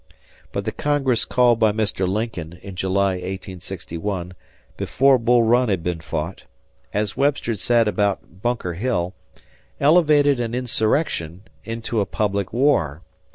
But the Congress called by Mr. Lincoln, in July, 1861, before Bull Run had been fought, as Webster said about Bunker Hill, elevatedan insurrection into a public war.